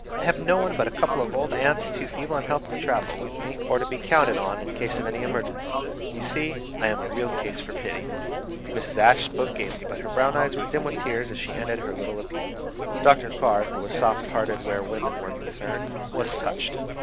I have no one but a couple of old aunts, too feeble in health to travel with me or to be counted on in case of any emergency. You see, I am a real case for pity." Mrs. Ashe spoke gayly, but her brown eyes were dim with tears as she ended her little appeal. Dr. Carr, who was soft hearted where women were concerned, was touched.